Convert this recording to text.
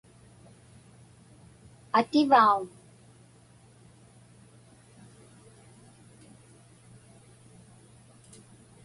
Ativauŋ?